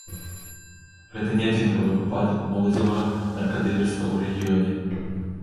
Гэта не адзінкавы выпадак моладзевага наркадылерства ў рэгіёне.